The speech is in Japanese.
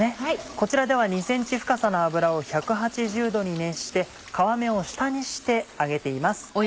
こちらでは２ｃｍ深さの油を１８０℃に熱して皮目を下にして揚げています。